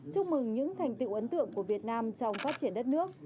chúc mừng những thành tựu ấn tượng của việt nam trong phát triển đất nước